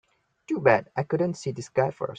Too bad I couldn't see this guy first.